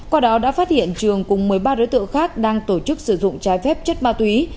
qua đó đã phát hiện trường cùng một mươi ba đối tượng khác đang tổ chức sử dụng trái phép chất ma túy